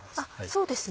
そうですね。